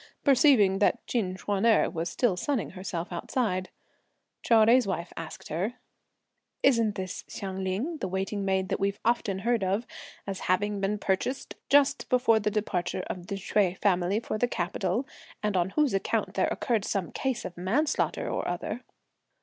Perceiving that Chin Ch'uan erh was still sunning herself outside, Chou Jui's wife asked her: "Isn't this Hsiang Ling, the waiting maid that we've often heard of as having been purchased just before the departure of the Hsüeh family for the capital, and on whose account there occurred some case of manslaughter or other?"